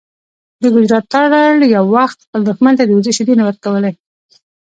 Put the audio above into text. د ګجرات تارړ یو وخت خپل دښمن ته د وزې شیدې نه ورکولې.